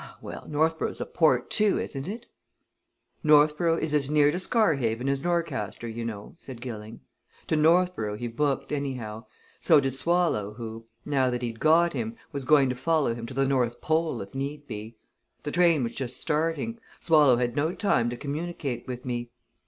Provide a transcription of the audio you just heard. Ah, well, Northborough's a port, too, isn't it?" "Northborough is as near to Scarhaven as Norcaster is, you know," said Gilling. "To Northborough he booked, anyhow. So did Swallow, who, now that he'd got him, was going to follow him to the North Pole, if need be. The train was just starting Swallow had no time to communicate with me.